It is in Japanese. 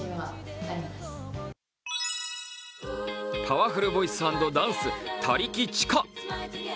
パワフルボイス＆ダンス他力千佳。